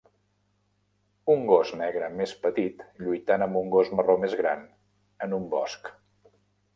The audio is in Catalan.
Un gos negre més petit lluitant amb un gos marró més gran en un bosc.